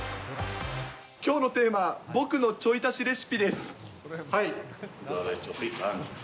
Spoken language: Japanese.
きょうのテーマ、僕のちょい足しレシピです。